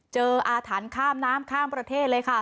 อาถรรพ์ข้ามน้ำข้ามประเทศเลยค่ะ